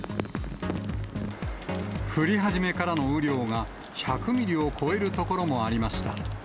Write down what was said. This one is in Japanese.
降り始めからの雨量が１００ミリを超える所もありました。